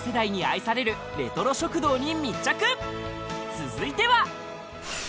続いては！